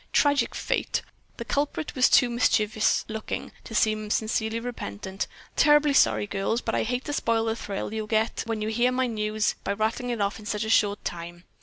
"Tragic fate!" The culprit was too mischievous looking to seem sincerely repentant. "Terribly sorry, girls, but I'd hate to spoil the thrill you'll all get when you hear my news by rattling it off in such a short time."